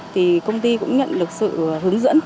thì công ty cũng nhận được sự hướng dẫn